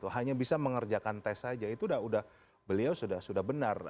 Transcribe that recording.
hanya bisa mengerjakan tes saja itu beliau sudah benar